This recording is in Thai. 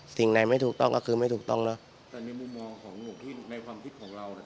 สิ่งไหนไม่ถูกต้องก็คือไม่ถูกต้องเนอะแต่ในมุมมองของหนูที่ในความคิดของเราน่ะ